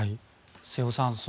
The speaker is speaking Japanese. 瀬尾さん